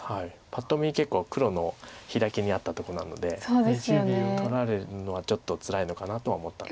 パッと見結構黒のヒラキにあったところなので取られるのはちょっとつらいのかなとは思ったんですが。